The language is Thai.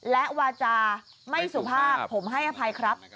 และวาจาไม่สุภาพผมให้อภัยครับ